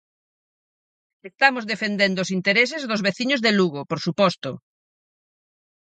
Estamos defendendo os intereses dos veciños de Lugo, por suposto.